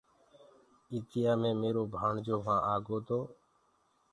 اِتيآ مي ميرو ڀآڻجو وهآنٚ آگو تو